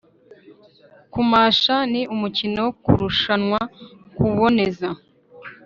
kumasha ni umukino wo kurushanwa kuboneza.